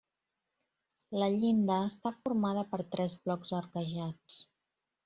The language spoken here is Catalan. La llinda està formada per tres blocs arquejats.